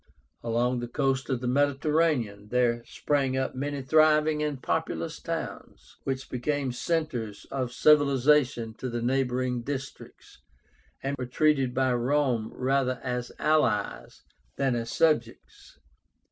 Along the coast of the Mediterranean there sprang up many thriving and populous towns, which became centres of civilization to the neighboring districts, and were treated by Rome rather as allies than as subjects.